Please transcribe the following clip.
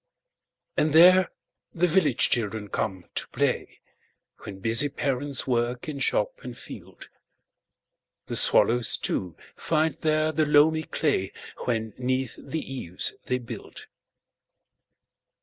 And there the village children come to play, When busy parents work in shop and field. The swallows, too, find there the loamy clayWhen 'neath the eaves they build.